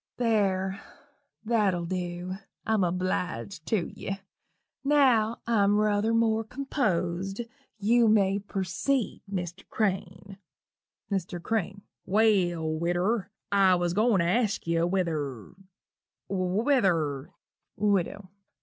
There that'll dew I'm obleeged tew ye now I'm ruther more composed you may perceed, Mr. Crane." MR. CRANE. "Well, widder, I was a going to ask you whether whether " WIDOW.